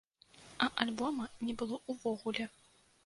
А альбома не было ўвогуле.